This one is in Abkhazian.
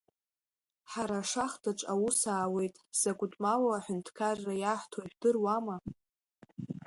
Ҳара ашахҭаҿ аус аауеит, закәытә малу аҳәынҭқарра иаҳҭо жәдыруама?